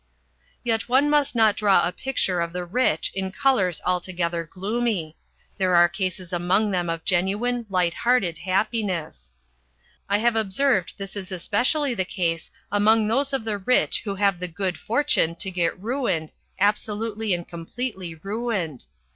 Yet one must not draw a picture of the rich in colours altogether gloomy. There are cases among them of genuine, light hearted happiness. I have observed this is especially the case among those of the rich who have the good fortune to get ruined, absolutely and completely ruined.